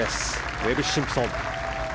ウェブ・シンプソン。